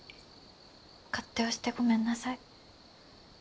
勝手をしてごめんなさい。